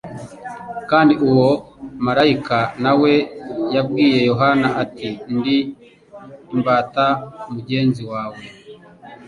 Kandi uwo malayika na we yabwiye Yohana ati: "Ndi imbata mugenzi wawe,